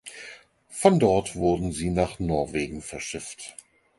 Von dort wurde sie nach Norwegen verschifft.